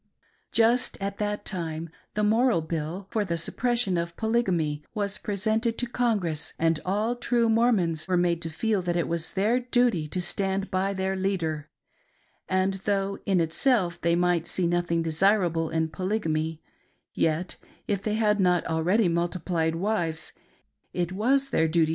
Just at that time the " Morrill Bill " for the suppression of Polygamy was presented to Congress, and all true Mormons were made to feel that it was their duty to stand by their leader ; and though, in itself, they might see nothing desirable in Polygamy, yet, if they had not already multiplied wives, it was their duty to do so without any delay.